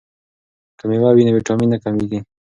که میوه وي نو ویټامین نه کمیږي.